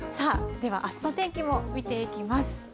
では、あすの天気を見ていきます。